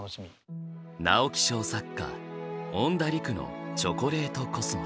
直木賞作家恩田陸の「チョコレートコスモス」。